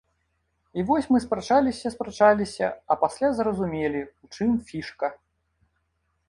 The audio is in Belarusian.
І вось мы спрачаліся спрачаліся, а пасля зразумелі, у чым фішка.